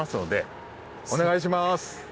お願いします！